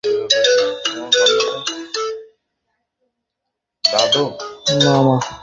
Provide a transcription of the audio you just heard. নায়ক চেয়ে আছেন নায়িকার দিকে, নায়িকাও মুগ্ধ দৃষ্টিতে তাকিয়ে আছেন নায়কের দিকে।